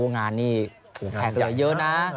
งานนี้แขกเหลือเยอะนะ